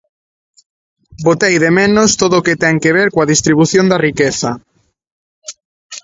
Botei de menos todo o que ten que ver coa distribución da riqueza.